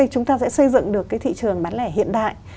chúng ta sẽ xây dựng được thị trường bán lẻ hiện đại